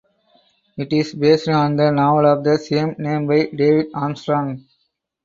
It is based on the novel of the same name by David Armstrong.